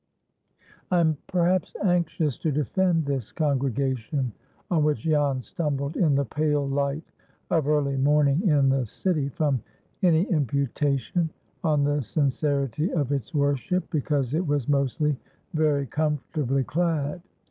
I am perhaps anxious to defend this congregation, on which Jan stumbled in the pale light of early morning in the city, from any imputation on the sincerity of its worship, because it was mostly very comfortably clad.